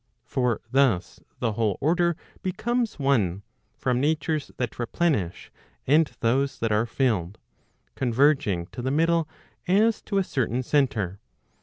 For thus the whole order becomes one, from natures that replenish and those that are filled, converging to the middle as to a certain centre.